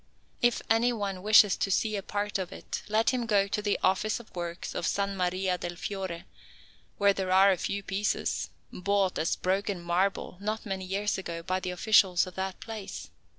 If any one wishes to see a part of it, let him go to the Office of Works of S. Maria del Fiore, where there are a few pieces, bought as broken marble not many years ago by the officials of that place.